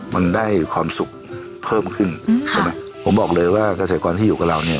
มันได้ความสุขเพิ่มขึ้นใช่ไหมผมบอกเลยว่าเกษตรกรที่อยู่กับเราเนี่ย